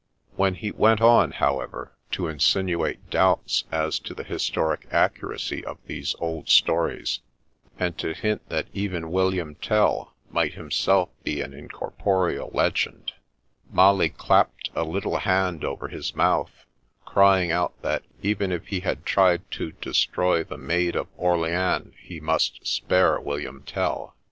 When he went on, however, to insinuate doubts as to the historic accuracy of these old stories, and to hint that even William Tell might himself be an incorporeal legend, Molly clapped a little hand over his mouth, crying out that even if he had tried to destroy the Maid of Orleans he must spare William Tell.